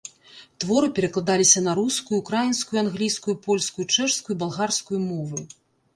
Творы перакладаліся на рускую, украінскую, англійскую, польскую, чэшскую і балгарскую мовы.